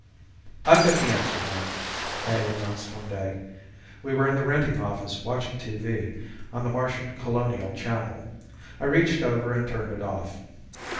"I've got the answer, Min," I announced one day. We were in the Renting Office watching TV on the Martian Colonial channel. I reached over and turned it off.